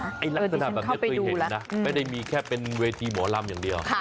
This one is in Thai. ลักษณะแบบนี้เคยเห็นนะไม่ได้มีแค่เป็นเวทีหมอลำอย่างเดียว